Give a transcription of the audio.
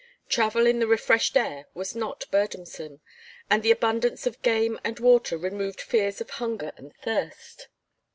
Travel in the refreshed air was not burdensome, and the abundance of game and water removed fears of hunger and thirst.